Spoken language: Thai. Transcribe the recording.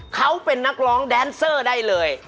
เขาเป็นนักร้องแดนเซอร์ได้เลย